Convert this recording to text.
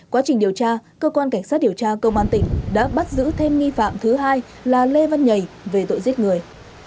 quá trình điều tra cơ quan cảnh sát điều tra công an tỉnh đã bắt giữ thêm nghi phạm thứ hai là lê văn nhầy về tội giết người